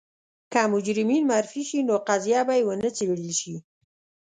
که مجرمین معرفي شي نو قضیه به یې ونه څېړل شي.